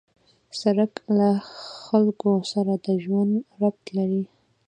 سړک له خلکو سره د ژوند ربط لري.